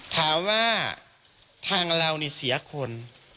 ถามว่าทางเรานี่เสียคน